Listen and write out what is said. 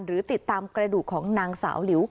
หรือติดตามกระดูกของนางสาวหลิว